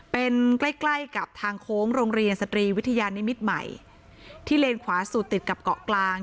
เป็นใกล้ใกล้กับทางโค้งโรงเรียนสตรีวิทยานิมิตรใหม่ที่เลนขวาสุดติดกับเกาะกลาง